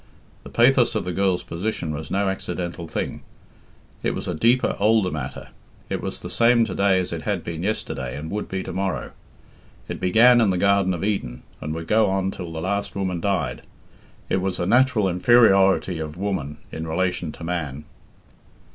The pathos of the girl's position was no accidental thing. It was a deeper, older matter; it was the same to day as it had been yesterday and would be to morrow; it began in the garden of Eden and would go on till the last woman died it was the natural inferiority of woman in relation to man.